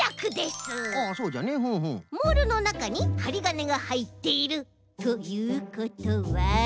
モールのなかにはりがねがはいっているということは。